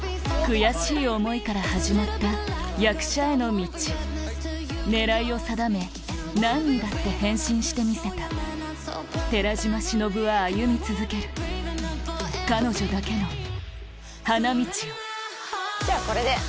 悔しい思いから始まった役者への道狙いを定め何にだって変身してみせた寺島しのぶは歩み続ける彼女だけの花道をじゃあこれで。